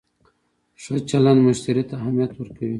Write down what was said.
ښه چلند مشتری ته اهمیت ورکوي.